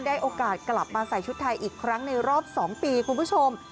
โอกาสกลับมาใส่ชุดไทยอีกครั้งในรอบ๒ปีคุณผู้ชม